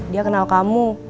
dia kenal kamu